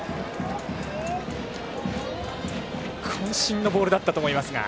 こん身のボールだったと思いますが。